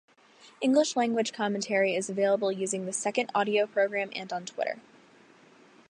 English language commentary is available using the second audio program and on Twitter.